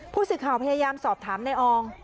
ผู้สื่อข่าวพยายามสอบถามในออง